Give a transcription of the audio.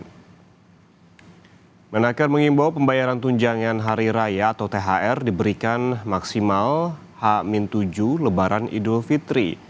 kemenangkan mengimbau pembayaran tunjangan hari raya atau thr diberikan maksimal h tujuh lebaran idul fitri